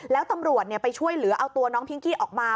แล้วตำรวจไปช่วยเหลือเอาตัวน้องพิงกี้ออกมา